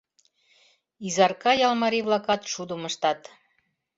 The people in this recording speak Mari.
Изарка ял марий-влакат шудым ыштат.